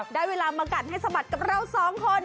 ได้เวลามากันให้สมัครกับเรา๒คน